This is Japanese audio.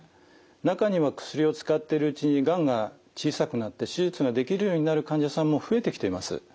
中には薬を使っているうちにがんが小さくなって手術ができるようになる患者さんも増えてきています。